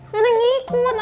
neneng ikut aku